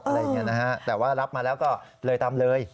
อะไรอย่างนี้นะฮะแต่ว่ารับมาแล้วก็เลยตามเลย